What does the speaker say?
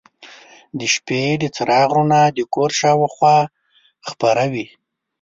د شپې د څراغ رڼا د کور شاوخوا خورې وه.